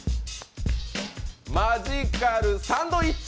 マジカルサンドイッチ。